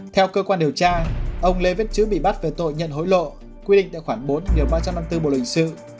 theo cơ quan điều tra ông lê viết chữ bị bắt về tội nhận hối lộ quy định tệ khoản bốn nếu ba trăm năm mươi bốn bộ luyện sư